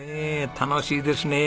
楽しいですね。